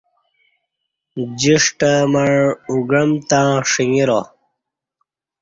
جِݜٹہ مع اوگعمتاں ݜنگرا